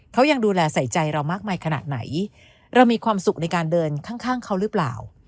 เขายังดูแลใส่ใจเรามากมายขนาดไหนเรามีความสุขในการเดินข้างเขาหรือเปล่า